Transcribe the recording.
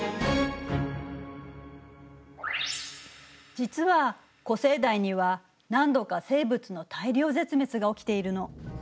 実は古生代には何度か生物の大量絶滅が起きているの。